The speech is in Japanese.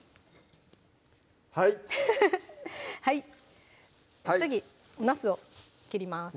はい次なすを切ります